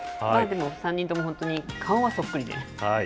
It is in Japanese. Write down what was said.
でも、３人ともほんとに顔はそっくりで。